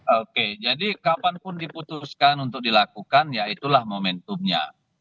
oke jadi kapanpun diputuskan untuk dilakukan ya itulah momentumnya